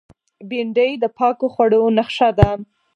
بېنډۍ د پاکو خوړو نخښه ده